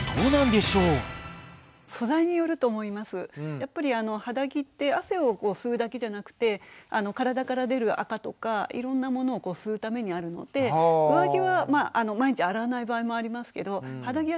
やっぱり肌着って汗を吸うだけじゃなくて体から出るあかとかいろんなものを吸うためにあるので上着は毎日洗わない場合もありますけど肌着は